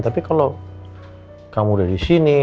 tapi kalau kamu udah disini